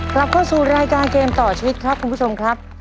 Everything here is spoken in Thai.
กลับเข้าสู่รายการเกมต่อชีวิตครับคุณผู้ชมครับ